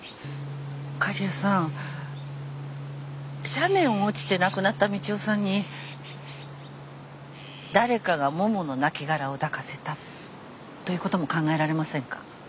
斜面を落ちて亡くなった道夫さんに誰かがモモの亡きがらを抱かせたということも考えられませんか？